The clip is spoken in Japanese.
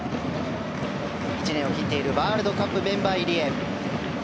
１年を切っているワールドカップメンバー入りへ。